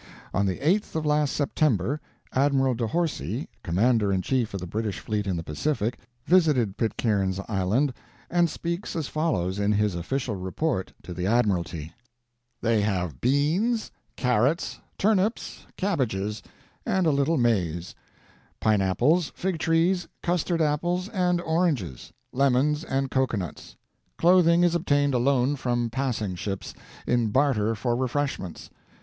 On the 8th of last September, Admiral de Horsey, commander in chief of the British fleet in the Pacific, visited Pitcairn's Island, and speaks as follows in his official report to the admiralty: They have beans, carrots, turnips, cabbages, and a little maize; pineapples, fig trees, custard apples, and oranges; lemons, and cocoa nuts. Clothing is obtained alone from passing ships, in barter for refreshments.